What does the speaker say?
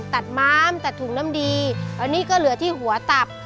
ม้ามตัดถุงน้ำดีตอนนี้ก็เหลือที่หัวตับ